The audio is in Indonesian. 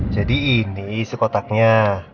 jadi ini kotaknya